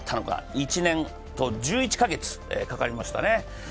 １年１１カ月かかりましたね。